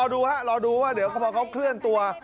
เดี๋ยวรอดูครับว่าพอเขาเคลื่อนตัว